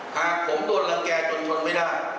หากผมโดนรังแก่จนทนไม่ได้